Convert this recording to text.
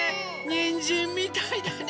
にんじんみたいだね！